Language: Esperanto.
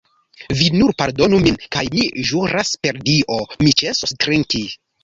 Vi nur pardonu min, kaj mi ĵuras per Dio, mi ĉesos drinki!